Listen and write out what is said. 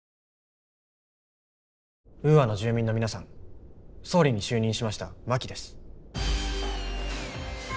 ウーアの住民の皆さん総理に就任しました真木です。